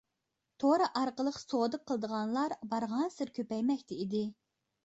تور ئارقىلىق سودا قىلىدىغانلار بارغانسېرى كۆپەيمەكتە ئىدى.